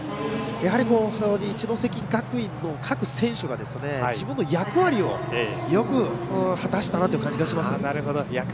やはり、一関学院の各選手が自分の役割をよく果たしたなという感じがします。